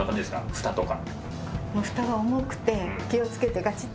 ふたとか。